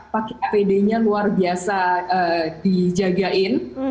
pakai apd nya luar biasa dijagain